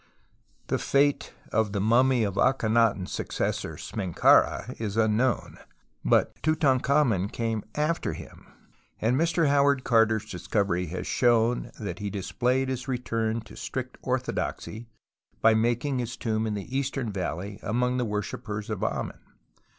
The fate of the mummy of Akhenaton's successor Smenkhara is unknown: but Tutan khamen came after him, and Mr Howard Carter's discovery has shown that he displayed his return to strict orthodoxy by making his tomb in the Eastern Valley among the wor shippers of Amen.